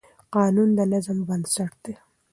قانون د نظم بنسټ دی.